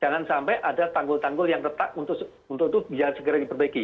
jangan sampai ada tanggul tanggul yang retak untuk itu bisa segera diperbaiki